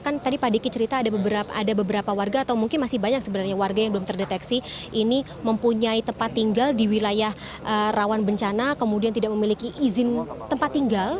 kan tadi pak diki cerita ada beberapa warga atau mungkin masih banyak sebenarnya warga yang belum terdeteksi ini mempunyai tempat tinggal di wilayah rawan bencana kemudian tidak memiliki izin tempat tinggal